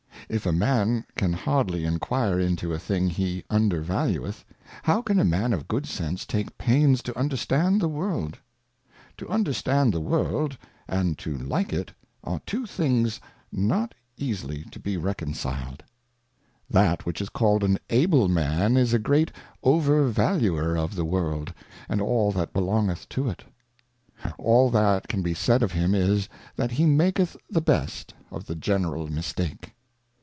If a Man can hardly inquire into a Thing he undervalueth, how can a Man of good Sense take pains to understand the World ? To understand the World, and to like it, are two things not easily to be reconciled. That Moral Thoughts and Reflections. 231 That which is called an Able Man is a great Over valuer of the World, and all that belongeth to it. All that can be said of him is, that he maketh the best of the General Mistake.